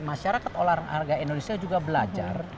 masyarakat olahraga indonesia juga belajar